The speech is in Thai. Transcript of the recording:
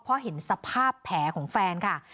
เพราะเห็นสภาพแผลของแฟนค่ะ